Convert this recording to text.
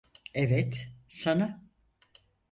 Evet, sana.